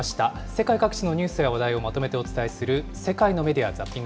世界各地のニュースや話題をまとめてお伝えする世界のメディア・